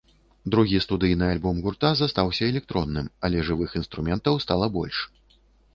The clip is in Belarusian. Другі студыйны альбом гурта застаўся электронным, але жывых інструментаў стала больш.